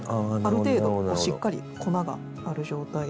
ある程度しっかり粉がある状態で。